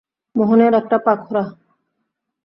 মোহনের একটা পা খোড়া।